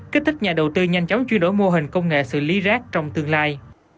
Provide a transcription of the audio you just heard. kích thích nhà đầu tư nhanh chóng chuyển đổi mô hình công nghệ xử lý rác trong tương lai